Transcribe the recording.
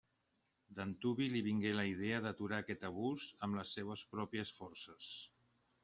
D'antuvi li vingué la idea d'aturar aquest abús amb les seues pròpies forces.